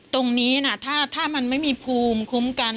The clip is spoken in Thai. ตรงนี้นะถ้ามันไม่มีภูมิคุ้มกัน